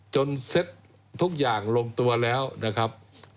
เซ็ตทุกอย่างลงตัวแล้วนะครับ